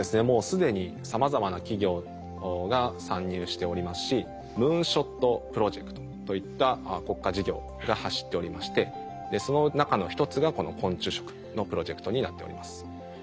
もう既にさまざまな企業が参入しておりますしムーンショットプロジェクトといった国家事業が走っておりましてその中の一つがこの昆虫食のプロジェクトになっております。